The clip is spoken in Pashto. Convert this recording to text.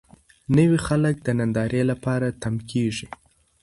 نوي خلک د نندارې لپاره تم کېږي.